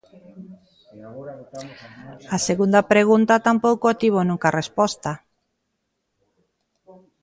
A segunda pregunta, tampouco obtivo nunca resposta.